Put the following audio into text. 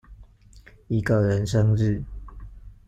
一個人生日